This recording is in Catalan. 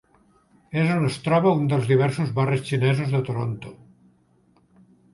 És on es troba un dels diversos barris xinesos de Toronto.